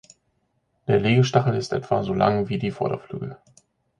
Der Legestachel ist etwa so lang wie die Vorderflügel.